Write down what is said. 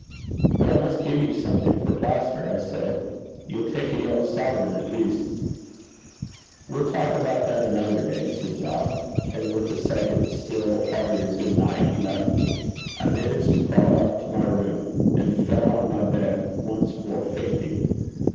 'But I must give you something for plaster,' I said. 'You'll take a yellow dump, at least?' 'We'll talk about that another day,' said Job; and with a second still heartier good night, he left me. I managed to crawl up to my room, and fell on my bed once more fainting.